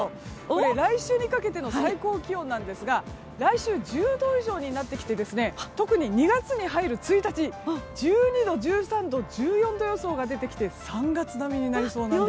来週にかけての最高気温なんですが来週１０度以上になって特に２月に入る１日１２度、１３度、１４度予想が出てきて３月並みになりそうなんです。